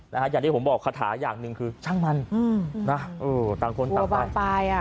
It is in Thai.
อย่างที่ผมบอกคาถาอย่างหนึ่งคือช่างมันอืมนะเออต่างคนต่างไปอ่ะ